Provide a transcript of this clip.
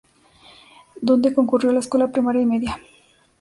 Donde concurrió a la escuela primaria y media.